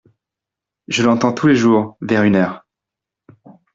Je l’entends tous les jours vers une heure…